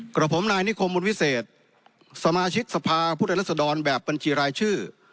กับผมนายนิคมบุญวิเศษสมาชิกสภาพุทธรัศดรแบบบัญชีรายชื่อ